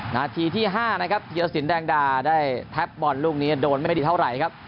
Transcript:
นาทีที่๕นะครับธีรสินแดงดาได้แท็บบอลลูกนี้โดนไม่ได้ดีเท่าไหร่ครับ